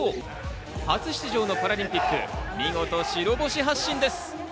初出場のパラリンピック、見事、白星発進です。